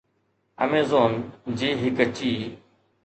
Amazon جي هڪ چي